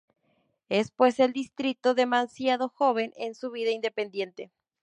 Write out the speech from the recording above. Es pues el distrito demasiado joven en su vida independiente.